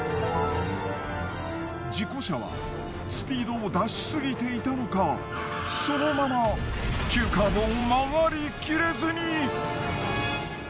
事故車はスピードを出しすぎていたのかそのまま急カーブを曲がり切れずに。